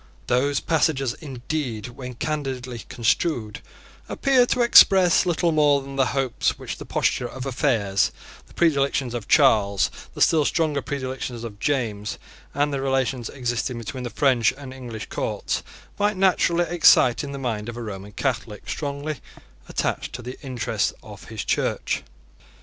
Those passages indeed, when candidly construed, appear to express little more than the hopes which the posture of affairs, the predilections of Charles, the still stronger predilections of James, and the relations existing between the French and English courts, might naturally excite in the mind of a Roman Catholic strongly attached to the interests of his Church.